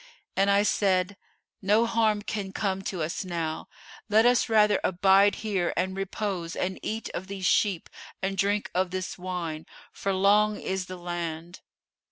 And I said, 'No harm can come to us now; let us rather abide here and repose and eat of these sheep and drink of this wine, for long is the land.